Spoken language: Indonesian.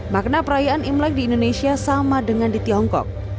makna perayaan imlek di indonesia sama dengan di tiongkok